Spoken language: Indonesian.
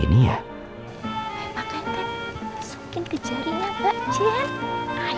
emangnya kan disukin ke jari mbak jen